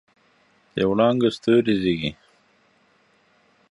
د وړانګو ستوري زیږي